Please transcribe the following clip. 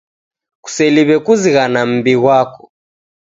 Kuseliwe kuzighana mmbi ghwako